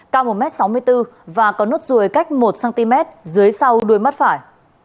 cao một m sáu mươi bốn và có nốt ruồi cách một cm dưới sau đuôi mắt phải